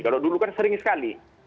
kalau dulu kan sering sekali